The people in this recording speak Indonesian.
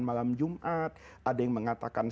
malam jumat ada yang mengatakan